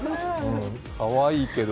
かわいいけど。